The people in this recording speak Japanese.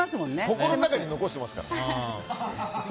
心の中に残していますから。